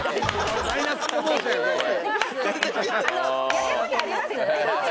やったことあります？